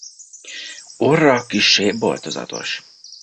Orra kissé boltozatos.